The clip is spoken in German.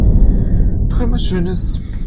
Träum was schönes.